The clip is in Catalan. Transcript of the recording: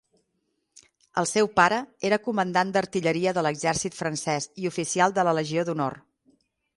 El seu pare era comandant d'artilleria de l'exèrcit francès i oficial de la Legió d'Honor.